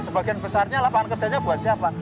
sebagian besarnya lapangan kerjanya buat siapa